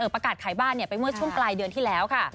ประกาศขายบ้านไปเมื่อช่วงปลายเดือนที่แล้วค่ะ